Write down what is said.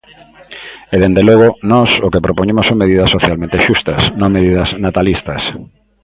E, dende logo, nós o que propoñemos son medidas socialmente xustas, non medidas natalistas.